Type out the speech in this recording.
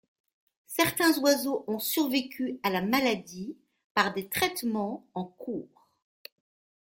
Certains oiseaux ont survécu à la maladie par des traitements en cours.